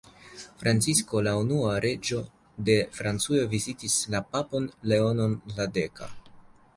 Francisko la unua, reĝo de Francujo vizitis la papon Leonon la deka.